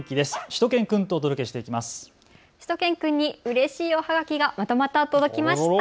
しゅと犬くんにうれしいおはがきがまたまた届きました。